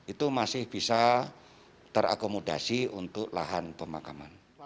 itu masih bisa terakomodasi untuk lahan pemakaman